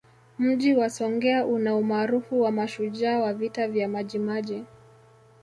Mji wa Songea una umaarufu wa mashujaa wa Vita vya Majimaji